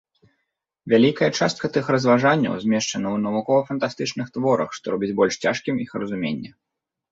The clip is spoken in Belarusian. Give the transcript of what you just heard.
Вялікая частка тых разважанняў змешчана ў навукова-фантастычных творах, што робіць больш цяжкім іх разуменне.